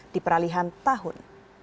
di peralihan tahun